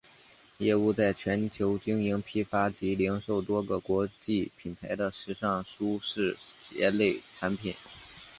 业务在全球经营批发及零售多个国际品牌的时尚舒适鞋类产品。